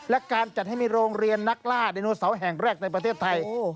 และการจัดให้มีโรงเรียนนักล่าไดโนเสาร์แห่งแรกในประเทศไทย